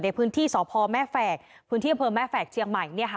ในพื้นที่สพแม่แฝกพื้นที่อำเภอแม่แฝกเชียงใหม่